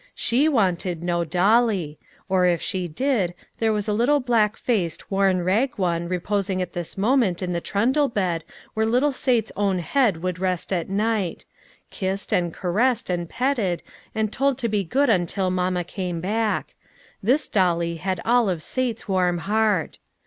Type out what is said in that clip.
She wanted no dolly ; or, if she did, there was a little black faced, worn, rag one reposing at this moment in the trundle bed where little Sale's own head would rest at night ; kissed, and caressed, and petted, and told to be good until mamma came back ; this dolly had all of Sale's warm heart.